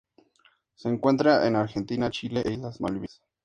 Se encuentra en Argentina, Chile e Islas Malvinas.